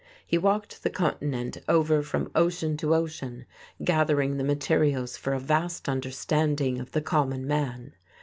He walked the Continent over from ocean to ocean, gathering the materials for a "vast understanding of the common man."